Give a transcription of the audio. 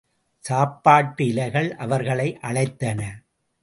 சாப்பாட்டு இலைகள் அவர்களை அழைத்தன.